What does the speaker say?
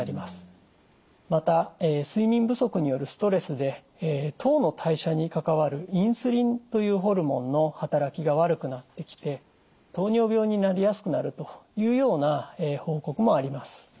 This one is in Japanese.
また睡眠不足によるストレスで糖の代謝に関わるインスリンというホルモンの働きが悪くなってきて糖尿病になりやすくなるというような報告もあります。